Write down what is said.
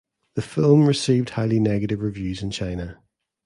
The film received highly negative reviews in China.